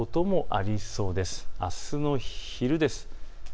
あすの昼です。